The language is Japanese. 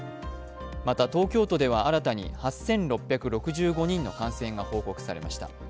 また、東京都では新たに８６６５人の感染が報告されました。